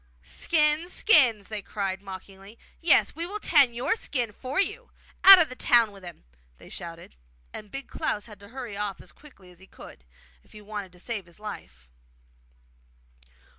'Skins! skins!' they cried mockingly; yes, we will tan YOUR skin for you! Out of the town with him!' they shouted; and Big Klaus had to hurry off as quickly as he could, if he wanted to save his life.